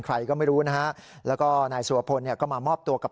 ใครก็ไม่รู้นะฮะแล้วก็นายสุรพลเนี่ยก็มามอบตัวกับ